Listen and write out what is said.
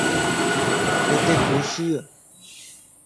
ھتي ڦوشيَ